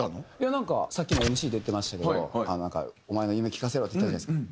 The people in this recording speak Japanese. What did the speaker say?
なんかさっきもＭＣで言ってましたけど「お前の夢聞かせろ」って言ったじゃないですか。